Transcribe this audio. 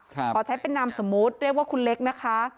ขอใช้เป็นนามสมมุติเรียกว่าคุณเล็กนะคะ